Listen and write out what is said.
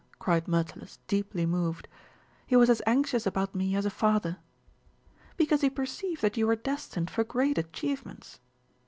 cried Myrtilus, deeply moved. "He was as anxious about me as a father." "Because he perceived that you were destined for great achievements."